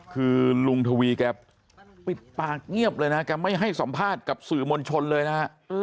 คือลุงทวีแกปิดปากเงียบเลยนะแกไม่ให้สัมภาษณ์กับสื่อมวลชนเลยนะฮะ